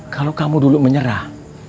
kalau kamu dulu menyerah